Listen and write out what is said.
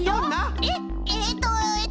えっとえっと。